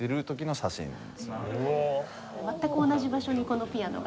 全く同じ場所にこのピアノが。